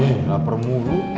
eh lapar mulu